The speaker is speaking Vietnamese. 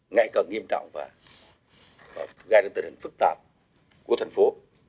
ngày càng nghiêm trọng và gây đến tình hình phức tạp của thành phố